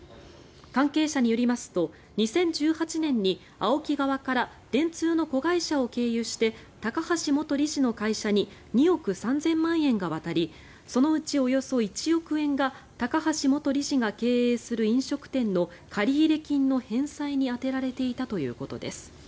関係者によりますと２０１８年にＡＯＫＩ側から電通の子会社を経由して高橋元理事の会社に２億３０００万円が渡りそのうち、およそ１億円が高橋元理事が経営する飲食店の借入金の返済に充てられていたということです。